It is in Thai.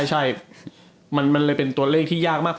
ใช่มันเลยเป็นตัวเลขที่ยากมาก